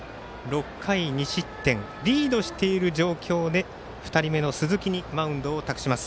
６回２失点リードしている状況で２人目の鈴木にマウンドを託します。